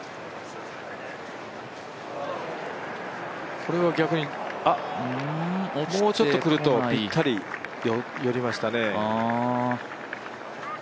これは逆に、もうちょっとくるとピッタリ寄りましたね。